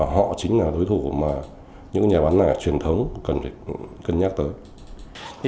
họ chính là đối thủ mà những nhà bán lẻ truyền thống cần nhắc tới